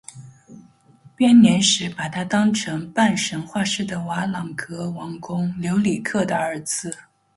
编年史把他当成半神话式的瓦良格王公留里克的儿子。